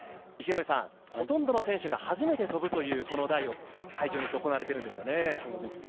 一戸さん、ほとんどの選手が初めて飛ぶという台を会場にして行われているんですよね。